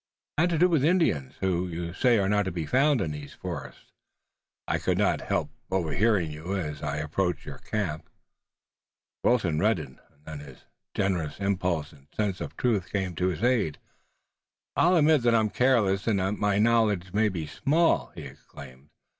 "It had to do with Indians, who you say are not to be found in these forests. I could not help overhearing you, as I approached your camp." Wilton reddened and then his generous impulse and sense of truth came to his aid. "I'll admit that I'm careless and that my knowledge may be small!" he exclaimed.